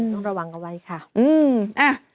ต้องระวังเอาไว้ค่ะ